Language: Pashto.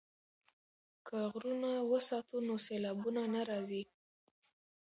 که غرونه وساتو نو سیلابونه نه راځي.